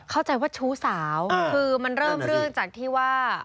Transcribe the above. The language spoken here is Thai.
เข้าใจว่าชู้สาวคือมันเริ่มเรื่องจากที่ว่า